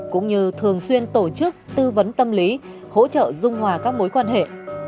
cũng như thường xuyên tổ chức tư vấn tâm lý hỗ trợ dung hòa các mối quan hệ